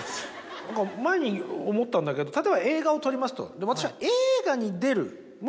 何か前に思ったんだけど例えば映画を撮りますと。